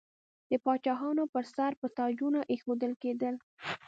د پاچاهانو پر سر به تاجونه ایښودل کیدل.